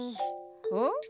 うん？